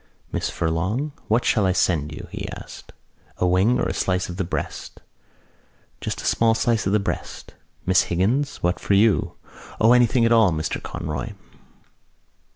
"Miss Furlong, what shall I send you?" he asked. "A wing or a slice of the breast?" "Just a small slice of the breast." "Miss Higgins, what for you?" "O, anything at all, Mr Conroy."